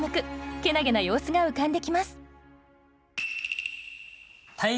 けなげな様子が浮かんできます。